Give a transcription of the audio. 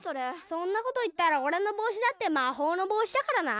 そんなこと言ったらおれのぼうしだってまほうのぼうしだからな。